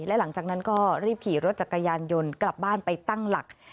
และหลังจากนั้นก็รีบขี่รถจักรยานยนต์กลับบ้านไปตั้งหลัก